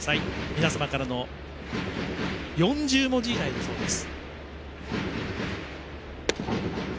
皆様、４０文字以内だそうです。